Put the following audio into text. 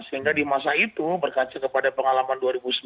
sehingga di masa itu berkaca kepada pengalaman dua ribu sembilan belas